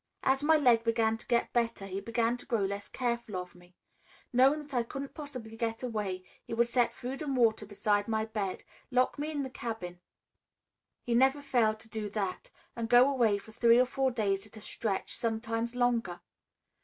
"As my leg began to get better, he began to grow less careful of me. Knowing that I couldn't possibly get away, he would set food and water beside my bed, lock me in the cabin he never failed to do that and go away for three or four days at a stretch, sometimes longer.